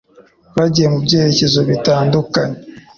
Bagiye mu byerekezo bitandukanye